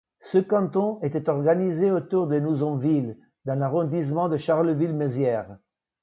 Ce canton était organisé autour de Nouzonville dans l'arrondissement de Charleville-Mézières.